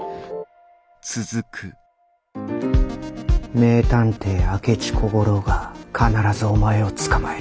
名探偵明智小五郎が必ずお前を捕まえる。